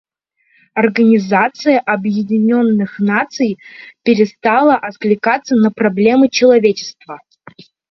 Организация Объединенных Наций перестала откликаться на проблемы человечества.